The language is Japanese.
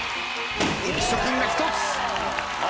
浮所君が１つ。